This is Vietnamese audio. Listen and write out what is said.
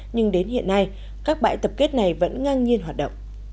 nhưng đến hiện nay các bãi tập kết này vẫn ngang nhiên hoạt động